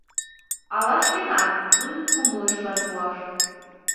Ала шкенам нунын кумылыштлан пуаш?